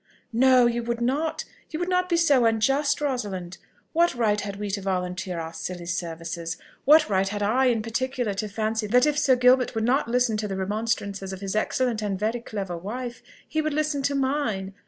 "No, you would not, you would not be so unjust, Rosalind. What right had we to volunteer our silly services? What right had I, in particular, to fancy that if Sir Gilbert would not listen to the remonstrances of his excellent and very clever wife, he would listen to mine?